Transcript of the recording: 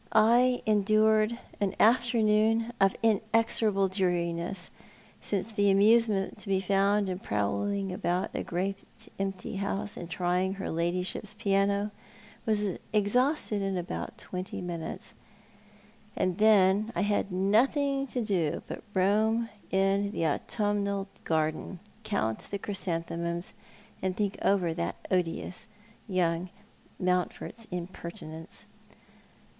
I endured an afternoon of inex orable dreariness, since the amusement to be found in prowling about a great empty house, and trying her Ladyship's piano, was exhausted in about twenty minutes ; and then I had nothing to do but roam in the autumnal garden, count the Coralies Journal. 205 cln ysanthemnms, and think over that odious young Moimt ford's impertinence.